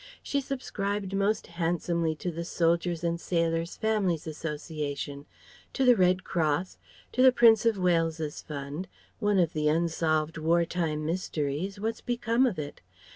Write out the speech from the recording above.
She subscribed most handsomely to the Soldiers' and Sailors' Families' Association, to the Red Cross, to the Prince of Wales's Fund (one of the unsolved war time mysteries ... what's become of it?)